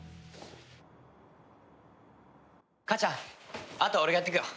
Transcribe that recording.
母ちゃんあとは俺がやっとくよ。